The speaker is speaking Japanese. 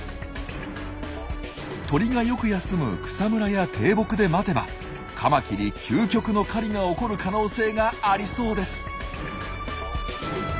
鳥がよく休む草むらや低木で待てばカマキリ究極の狩りが起こる可能性がありそうです！